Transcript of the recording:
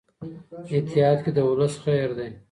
اتحاد کې د ولس خیر دی.